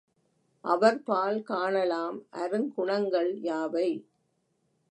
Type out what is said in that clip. அவர்பால் காணலாம் அருங்குணங்கள் யாவை?